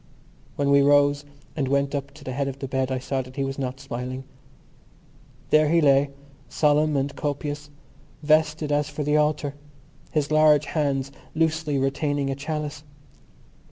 When we rose and went up to the head of the bed I saw that he was not smiling. There he lay, solemn and copious, vested as for the altar, his large hands loosely retaining a chalice.